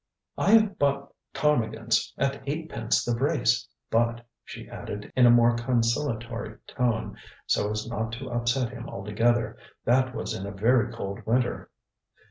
ŌĆØ ŌĆ£I have bought ptarmigans at eightpence the brace; but ŌĆØ she added in a more conciliatory tone, so as not to upset him altogether, ŌĆ£that was in a very cold winter.